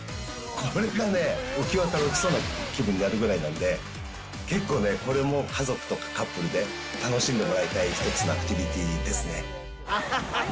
これがね、浮き輪から落ちそうな気分になるくらいなんで、結構ね、これも家族とかカップルで楽しんでもらいたい一つのアクティビティーですね。